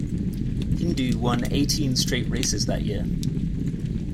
Hindoo won eighteen straight races that year.